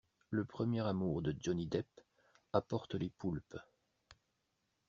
Le premier amour de Johnny Depp apporte les poulpes.